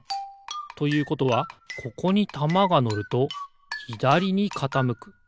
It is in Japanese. ということはここにたまがのるとひだりにかたむく。